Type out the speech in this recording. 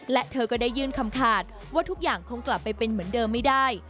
และเธอก็ได้ยื่นคำขาดว่าทุกอย่างคงกลับไปเป็นเหมือนเดิมไม่ได้